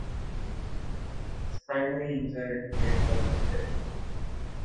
Its primary user interface was a spreadsheet.